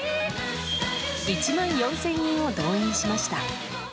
１万４０００人を動員しました。